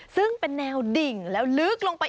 ซึ่งเป็นแนวดิ่งแล้วลึกลงไป